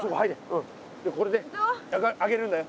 うんこれで上げるんだよ。